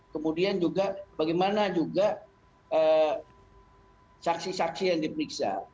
kemudian juga bagaimana juga saksi saksi yang diperiksa